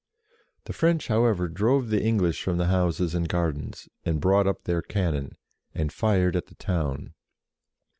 The French, how ever, drove the English from the houses and gardens, and brought up their cannon, and fired at the town.